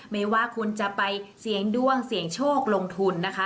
ไม่ว่าคุณจะไปเสี่ยงดวงเสี่ยงโชคลงทุนนะคะ